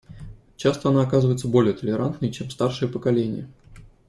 Часто она оказывается более толерантной, чем старшее поколение.